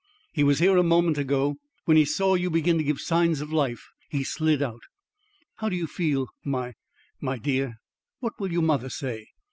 "He was here a moment ago. When he saw you begin to give signs of life, he slid out. How do you feel, my my dear? What will your mother say?"